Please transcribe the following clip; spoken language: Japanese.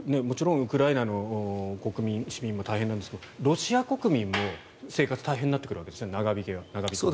もちろんウクライナの国民市民も大変なんですがロシア国民も生活が大変になってくるわけですね。